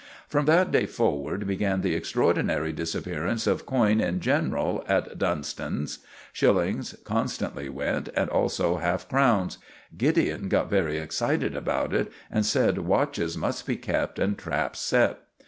From that day forward began the extraordinary disappearance of coin in general at Dunston's. Shillings constantly went, and also half crowns. Gideon got very excited about it, and said watches must be kept and traps set.